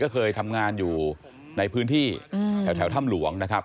ก็เคยทำงานอยู่ในพื้นที่แถวถ้ำหลวงนะครับ